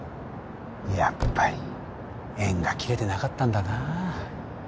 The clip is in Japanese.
やっぱり縁が切れてなかったんだな